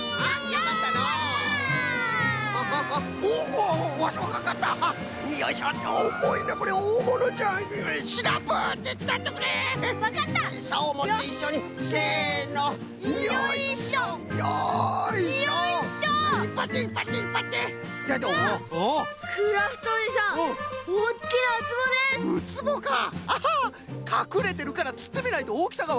かくれてるからつってみないとおおきさがわかんないんじゃな！